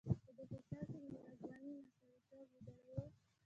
په دې حساب مو نه ځواني او نه سړېتوب لېدلې وه.